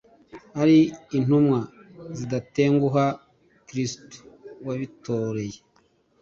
ari intumwa zidatenguha kristu wabitoreye